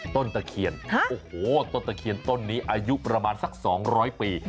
ต้นตะเขียนต้นตะเขียนต้นนี้อายุประมาณสัก๒๐๐ปี